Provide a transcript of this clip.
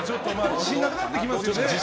自信なくなってきますよね。